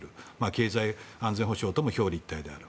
経済安全保障とも表裏一体である。